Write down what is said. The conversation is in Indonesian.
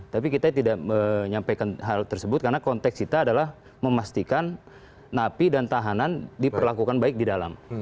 tapi kita tidak menyampaikan hal tersebut karena konteks kita adalah memastikan napi dan tahanan diperlakukan baik di dalam